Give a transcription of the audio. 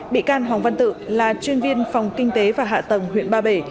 bị can hồng văn tự là chuyên viên phòng kinh tế và hạ tầng huyện ba bể